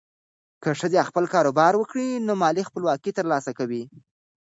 که ښځه خپل کاروبار وکړي، نو مالي خپلواکي ترلاسه کوي.